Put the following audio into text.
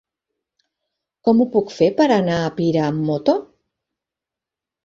Com ho puc fer per anar a Pira amb moto?